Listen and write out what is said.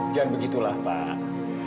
jangan begitulah pak